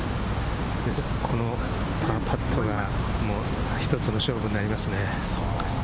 このパットが１つの勝負になりますね。